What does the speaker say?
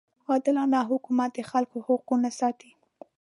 عادلانه حکومت د خلکو حقونه ساتي.